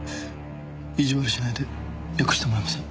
意地悪しないで訳してもらえません？